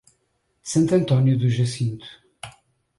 Santo Antônio do Jacinto